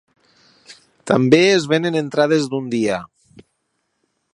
També es venen entrades d'un dia.